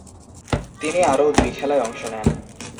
তিনি আরও দুই খেলায় অংশ নেন।